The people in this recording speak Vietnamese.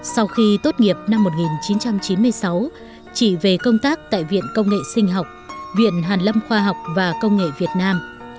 sau khi tốt nghiệp năm một nghìn chín trăm chín mươi sáu chị về công tác tại viện công nghệ sinh học viện hàn lâm khoa học và công nghệ việt nam